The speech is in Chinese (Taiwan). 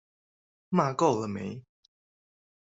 罵夠了沒？